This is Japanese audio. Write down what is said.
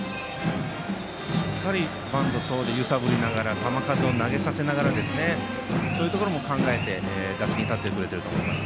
しっかりバント等で揺さぶりながら球数を投げさせながらそういうところも考えながら打席に立ってくれていると思います。